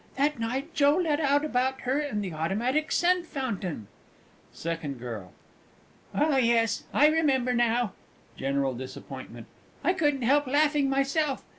That night Joe let out about her and the automatic scent fountain. SECOND GIRL. Oh, yes, I remember now. (General disappointment.) I couldn't help laughing myself.